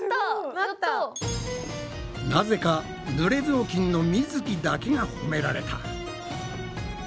なぜかぬれ雑巾のみづきだけが褒められた。